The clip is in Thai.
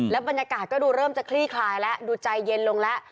บรรยากาศก็ดูเริ่มจะคลี่คลายแล้วดูใจเย็นลงแล้ว